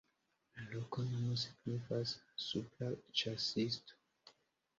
La loknomo signifas: supra-ĉasisto.